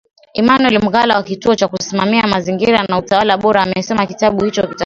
Emmanuel Mgala wa Kituo cha Kusimamia Mazingira na Utawala Bora amesema kitabu hicho kitafungua